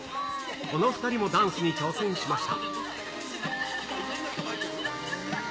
この２人もダンスに挑戦しました。